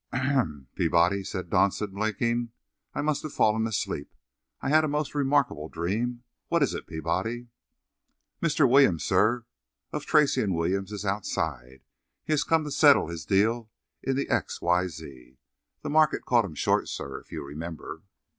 "Ahem! Peabody," said Dodson, blinking. "I must have fallen asleep. I had a most remarkable dream. What is it, Peabody?" "Mr. Williams, sir, of Tracy & Williams, is outside. He has come to settle his deal in X. Y. Z. The market caught him short, sir, if you remember."